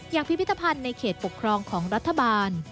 พิพิธภัณฑ์ในเขตปกครองของรัฐบาล